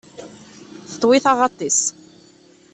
Teṭwi taɣaḍt-is.